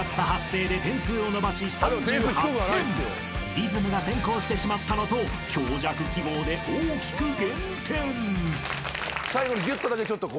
［リズムが先行してしまったのと強弱記号で大きく減点］